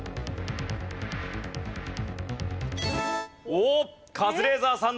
おっカズレーザーさん